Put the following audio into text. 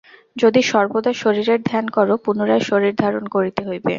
যদি সর্বদা শরীরের ধ্যান কর, পুনরায় শরীর ধারণ করিতে হইবে।